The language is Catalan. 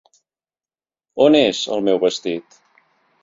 On és el meu vestit?